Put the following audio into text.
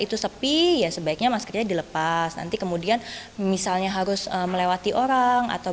itu sepi ya sebaiknya maskernya dilepas nanti kemudian misalnya harus melewati orang atau